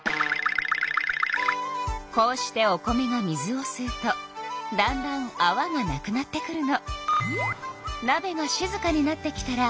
こうしてお米が水をすうとだんだんあわがなくなってくるの。